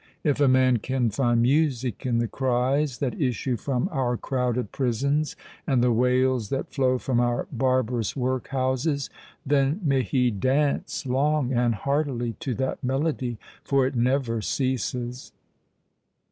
If a man can find music in the cries that issue from our crowded prisons and the wails that flow from our barbarous workhouses, then may he dance long and heartily to that melody—for it never ceases.